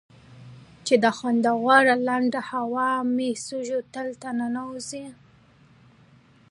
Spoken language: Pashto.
چې دا خوندوره لنده هوا مې د سږو تل ته ننوځي.